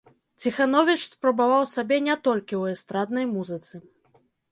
Ціхановіч спрабаваў сябе не толькі ў эстраднай музыцы.